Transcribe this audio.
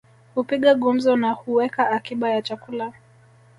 Hupiga gumzo na huweka akiba ya chakula